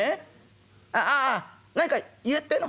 ああ何か言えってえの？